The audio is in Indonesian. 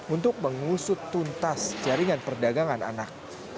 untuk mengusut tuntas jaringan perdagangan anak